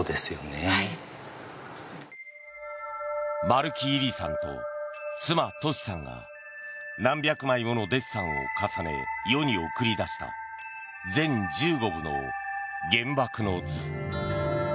丸木位里さんと妻・俊さんが何百枚ものデッサンを重ね世に送り出した全１５部の「原爆の図」。